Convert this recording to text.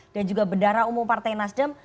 dan juga bedara umum partai nasdem